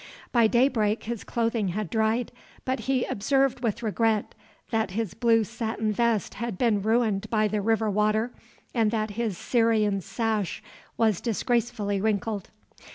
By daybreak his clothing had dried, but he observed with regret that his blue satin vest had been ruined by the river water and that his Syrian sash was disgracefully wrinkled.